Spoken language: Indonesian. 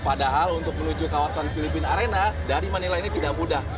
padahal untuk menuju kawasan filipina arena dari manila ini tidak mudah